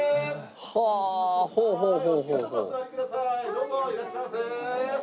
どうぞいらっしゃいませ！